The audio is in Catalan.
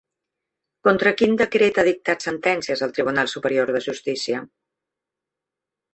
Contra quin decret ha dictat sentències el Tribunal Superior de Justícia?